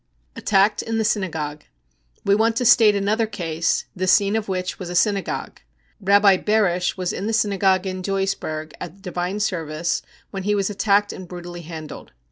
r/ Attacked in the Synagogue. We want to state another case, the scene of which was a synagogue. Rabbi Bereisch was in the synagogue in Duisburg at divine service when he was attacked and brutally handled.